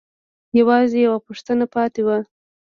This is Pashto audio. يوازې يوه پوښتنه پاتې وه.